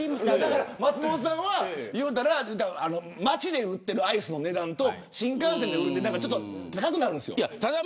松本さんは言うたら街で売っているアイスの値段と新幹線で売ってると高くなるんですよ。